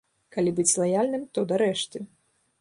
Калі быць лаяльным, то да рэшты.